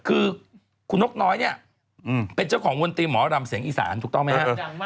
คือคุณนกน้อยเนี่ยเป็นเจ้าของมนตรีหมอรำเสียงอีสานถูกต้องไหมครับ